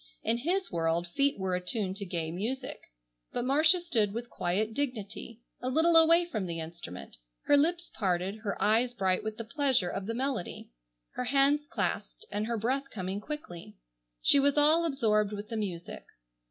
In his world feet were attuned to gay music. But Marcia stood with quiet dignity a little away from the instrument, her lips parted, her eyes bright with the pleasure of the melody, her hands clasped, and her breath coming quickly. She was all absorbed with the music.